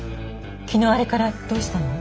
昨日あれからどうしたの？